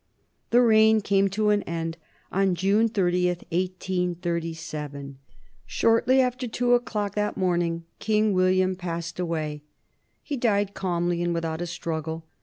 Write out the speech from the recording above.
The reign came to an end on June 30, 1837. Shortly after two o'clock that morning King William passed away. He died calmly and without a struggle.